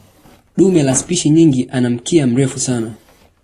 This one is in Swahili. Dume la spishi nyingi ana mkia mrefu sana.